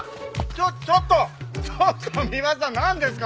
ちょちょっとちょっと三馬さんなんですか？